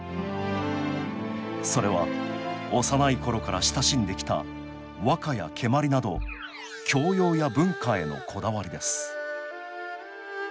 それは幼い頃から親しんできた和歌や蹴鞠など教養や文化へのこだわりです